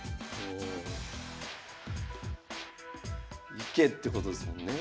行けってことですもんね。